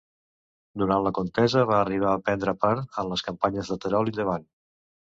Durant la contesa va arribar a prendre part en les campanyes de Terol i Llevant.